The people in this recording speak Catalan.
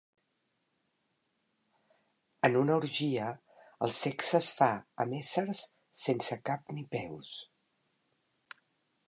En una orgia el sexe es fa amb éssers sense cap ni peus.